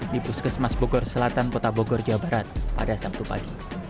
di puskesmas bogor selatan kota bogor jawa barat pada sabtu pagi